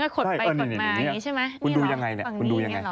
คุณดูยังไงเนี่ย